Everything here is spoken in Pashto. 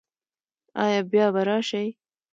ایا بیا به راشئ؟